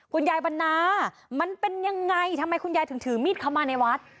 บรรณามันเป็นยังไงทำไมคุณยายถึงถือมีดเข้ามาในวัด